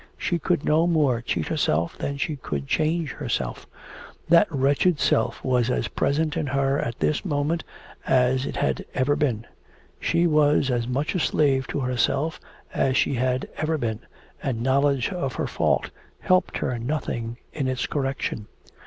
She could no more cheat herself than she could change herself; that wretched self was as present in her at this moment as it had ever been; she was as much a slave to herself as she had ever been, and knowledge of her fault helped her nothing in its correction.